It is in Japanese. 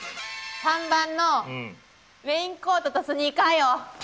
３番のレインコートとスニーカーよ！